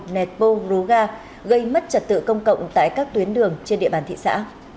netpo ruga gây mất trật tự công cộng tại các tuyến đường trên địa bàn thị xã